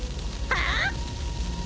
ああ！